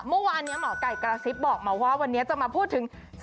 เมื่อวานนี้หมอไก่กระซิบบอกมาว่าวันนี้จะมาพูดถึง